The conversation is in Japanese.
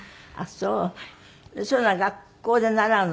そういうのは学校で習うの？